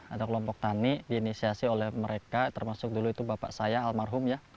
ada kelompok tani diinisiasi oleh mereka termasuk dulu itu bapak saya almarhum ya